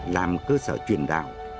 làm cơ sở truyền đạo